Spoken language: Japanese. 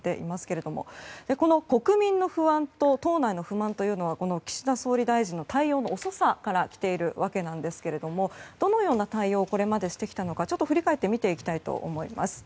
この、国民の不安と党内の不満というのは岸田総理大臣の対応の遅さから来ているわけですがどのような対応をこれまでしてきたのか振り返って見ていきたいと思います。